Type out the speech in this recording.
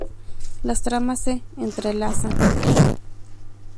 Las tramas se entrelazan.